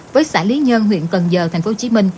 với xã lý nhân huyện cần giờ tp hcm